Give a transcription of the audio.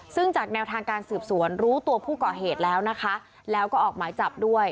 ซึ่งจากแนวทางการสืบสวนรู้ตัวผู้ก่อเหตุแล้วนะคะแล้วก็ออกหมายจับด้วย